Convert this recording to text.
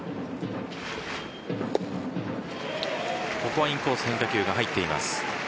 ここはインコース変化球が入っています。